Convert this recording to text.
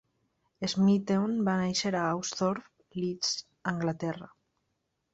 Smeaton va néixer a Austhorpe, Leeds, Anglaterra.